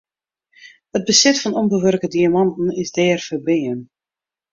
It besit fan ûnbewurke diamanten is dêr ferbean.